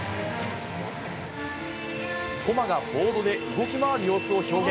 駒がボードで動き回る様子を表現。